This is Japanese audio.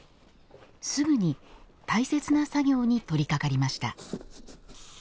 すぐに大切な作業に取りかかりました。